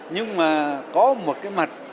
nhưng mà có một cái mặt